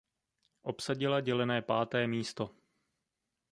Obsadila dělené páté místo.